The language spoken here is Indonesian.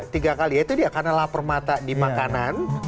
tiga kali yaitu dia karena lapar mata di makanan